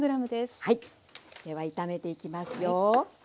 では炒めていきますよ。